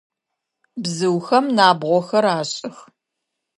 Бзыухэм набгъохэр ашӏых.